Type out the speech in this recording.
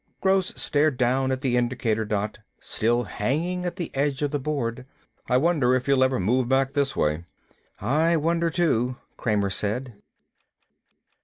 Gross stared down at the indicator dot, still hanging at the edge of the board. "I wonder if he'll ever move back this way." "I wonder, too," Kramer said.